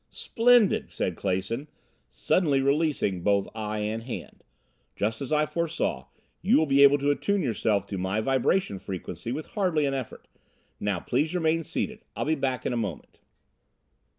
"Splendid!" said Clason, suddenly releasing both eye and hand. "Just as I foresaw, you will be able to attune yourself to my vibration frequency with hardly an effort. Now please remain seated; I'll be back in a moment."